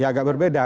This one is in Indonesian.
ya agak berbeda